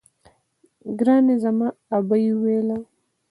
ګراني زما ابۍ ويله